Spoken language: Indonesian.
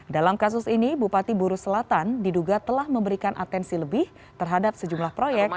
dalam kasus ini bupati buru selatan diduga telah memberikan atensi lebih terhadap sejumlah proyek